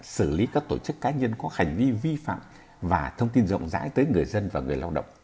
xử lý các tổ chức cá nhân có hành vi vi phạm và thông tin rộng rãi tới người dân và người lao động